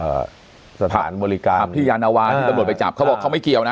สถานบริการครับที่ยานวาที่ตำรวจไปจับเขาบอกเขาไม่เกี่ยวนะ